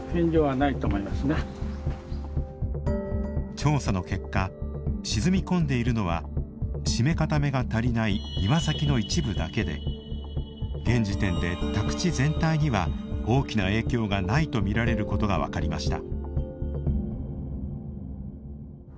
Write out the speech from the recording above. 調査の結果沈み込んでいるのは締め固めが足りない庭先の一部だけで現時点で宅地全体には大きな影響がないとみられることが分かりました。